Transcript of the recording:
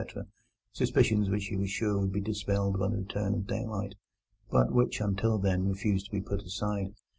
—suspicions which he was sure would be dispelled by the return of daylight, but which until then refused to be put aside.